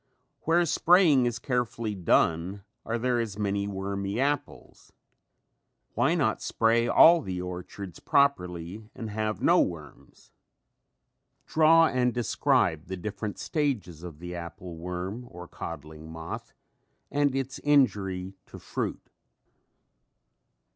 Where spraying is carefully done, are there as many wormy apples? Why not spray all the orchards properly and have no worms? Draw and describe the different stages of the apple worm or codling moth and its injury to fruit.